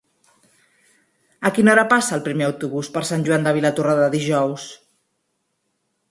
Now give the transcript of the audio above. A quina hora passa el primer autobús per Sant Joan de Vilatorrada dijous?